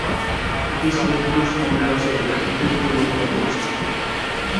এটি সৈয়দপুর সেনানিবাস এর উত্তর-পূর্ব কোণে অবস্থিত।